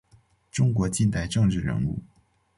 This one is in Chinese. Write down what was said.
中国近代政治人物。